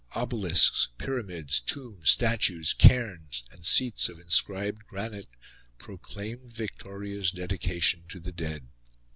Obelisks, pyramids, tombs, statues, cairns, and seats of inscribed granite, proclaimed Victoria's dedication to the dead.